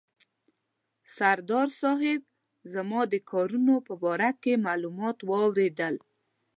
سردار صاحب زما د کارونو په باره کې معلومات واورېدل.